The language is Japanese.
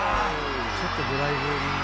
「ちょっとドライブぎみの」